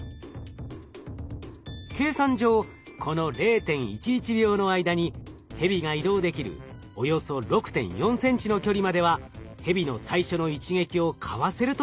計算上この０．１１秒の間にヘビが移動できるおよそ６．４ｃｍの距離まではヘビの最初の一撃をかわせると分かりました。